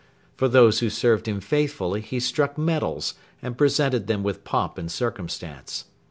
For those who served him faithfully he struck medals and presented them with pomp and circumstance.